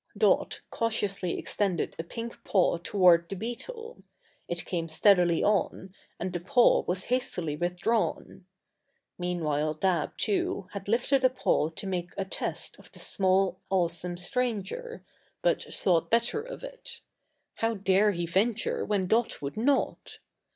Dot cautiously extended a pink paw toward the beetle; it came steadily on, and the paw was hastily withdrawn. Meanwhile Dab, too, had lifted a paw to make a test of the small, awesome stranger, but thought better of it. How dare he venture when Dot would not?